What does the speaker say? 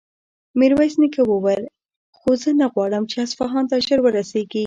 ميرويس نيکه وويل: خو زه نه غواړم چې اصفهان ته ژر ورسېږي.